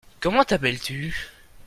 Comment t'appelles-tu ?